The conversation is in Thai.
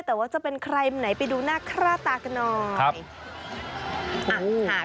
แต่ว่าจะเป็นใครไหนไปดูหน้าค่าตากันหน่อย